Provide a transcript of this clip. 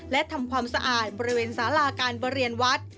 และทำความสะอาดบริเวณสาราการบริเวณวัด